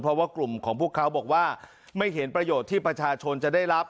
เพราะว่ากลุ่มของพวกเขาบอกว่าไม่เห็นประโยชน์ที่ประชาชนจะได้รับ